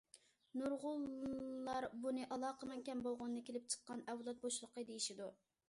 نۇرغۇنلار بۇنى ئالاقىنىڭ كەم بولغىنىدىن كېلىپ چىققان ئەۋلاد بوشلۇقى دېيىشىدۇ.